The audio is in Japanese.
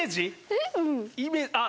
えっ？